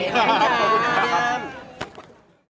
โปรดติดตามตอนต่อไป